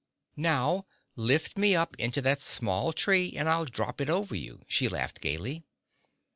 "Now lift me up into that small tree and I'll drop it over you," she laughed gaily.